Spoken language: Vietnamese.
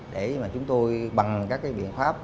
để chúng tôi bằng các biện pháp